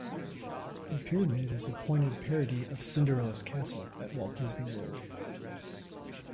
The pyramid is a pointed parody of Cinderella's Castle at Walt Disney World.